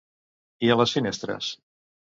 I a les finestres?